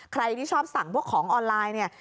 ใครที่ชอบสั่งพวกของออนไลน์เนี่ย